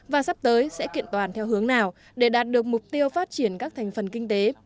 và sắp tới sẽ kiện toàn theo hướng nào để đạt được mục tiêu phát triển các thành phần kinh tế